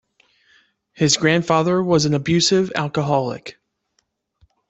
His grandfather was an abusive alcoholic.